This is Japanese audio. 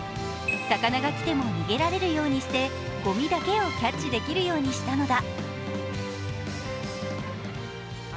魚が来ても逃げられるようにしてごみだけをキャッチできるようにしたのだ。